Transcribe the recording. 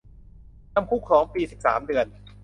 จำคุกสองปี สิบสามเดือน